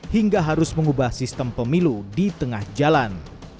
hingga harus mengubah sistem pemilu di tengah jalan